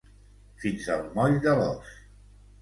Fins al moll de l'os.